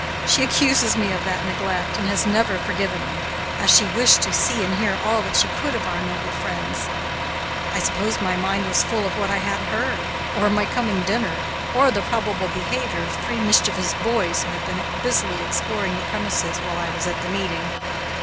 She accuses me of that neglect, and has never forgiven me, as she wished to see and hear all she could of our noble friends. I suppose my mind was full of what I had heard, or my coming dinner, or the probable behavior of three mischievous boys who had been busily exploring the premises while I was at the meeting.